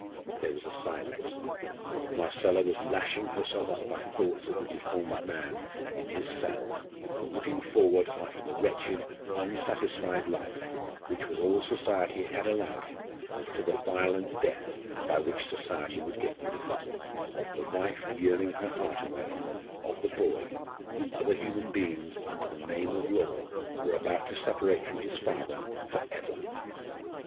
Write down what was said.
There was a silence. Marcella was lashing herself up by thoughts of the deformed man in his cell, looking forward after the wretched, unsatisfied life, which was all society had allowed him, to the violent death by which society would get rid of him of the wife yearning her heart away of the boy, whom other human beings, under the name of law, were about to separate from his father for ever.